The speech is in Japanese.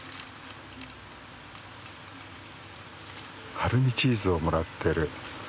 ハルミチーズをもらってる。